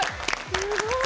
すごい！